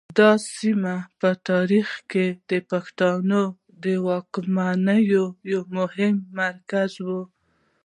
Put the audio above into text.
دا سیمه په تاریخ کې د پښتنو د واکمنۍ یو مهم مرکز و